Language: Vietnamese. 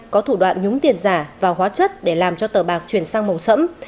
có thủ đoạn nhúng tiền giả và hóa chất để làm cho tờ bạc chuyển sang màu sẫm